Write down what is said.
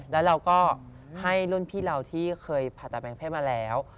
แล้วเราก็ให้รุ่นพี่เราที่เคยผ่าตัดแปลงเพศมาแล้ว